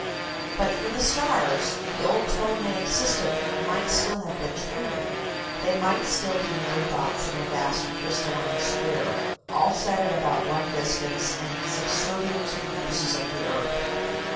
But for the stars the old Ptolemaic system might still have been true. They might still be mere dots in a vast crystalline sphere, all set at about one distance, and subservient to the uses of the earth.